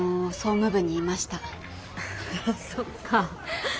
そっか。